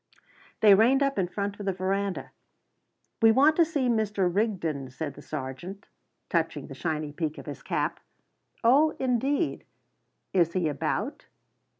They reined up in front of the verandah. "We want to see Mr. Rigden," said the sergeant, touching the shiny peak of his cap. "Oh, indeed!" "Is he about?"